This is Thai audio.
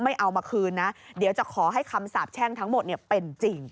เอามาคืนนะเดี๋ยวจะขอให้คำสาบแช่งทั้งหมดเป็นจริง